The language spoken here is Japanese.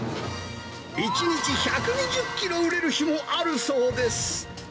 １日１２０キロ売れる日もあるそうです。